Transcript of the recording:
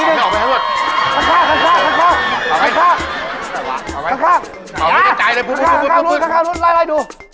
ราณอะไร